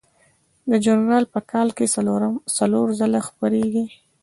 دا ژورنال په کال کې څلور ځله خپریږي.